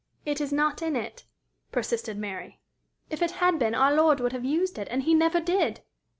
"It is not in it," persisted Mary. "If it had been, our Lord would have used it, and he never did."